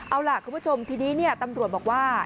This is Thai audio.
เอาล่ะคุณผู้ชมทีนี้ตำรวจบอกว่า